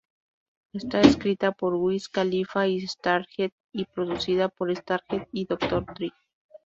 Está escrita por Wiz Khalifa y Stargate, y producida por Stargate y Dr. Dre.